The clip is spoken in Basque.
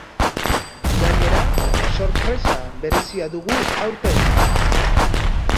Gainera, sorpresa berezia dugu aurten.